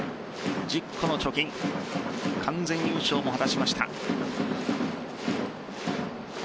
１０個の貯金完全優勝も果たしました。